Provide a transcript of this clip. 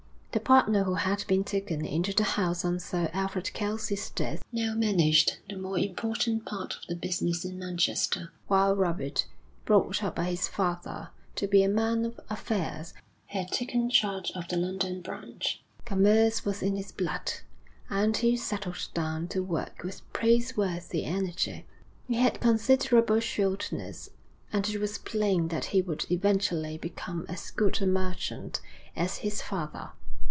The partner who had been taken into the house on Sir Alfred Kelsey's death now managed the more important part of the business in Manchester, while Robert, brought up by his father to be a man of affairs, had taken charge of the London branch. Commerce was in his blood, and he settled down to work with praiseworthy energy. He had considerable shrewdness, and it was plain that he would eventually become as good a merchant as his father.